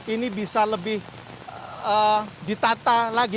ini bisa lebih ditata lagi